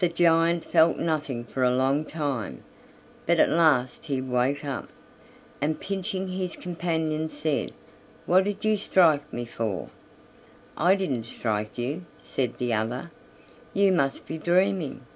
The giant felt nothing for a long time, but at last he woke up, and pinching his companion said: "What did you strike me for?" "I didn't strike you," said the other, "you must be dreaming."